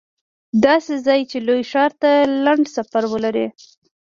داسې ځای چې لوی ښار ته لنډ سفر ولري